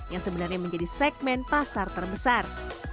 yang sebenarnya menjadi segmen pasar terbesar